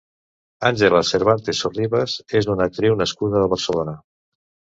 Ángela Cervantes Sorribas és una actriu nascuda a Barcelona.